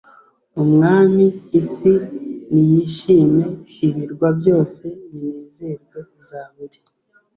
umwami Isi niyishime ibirwa byose binezerwe Zaburi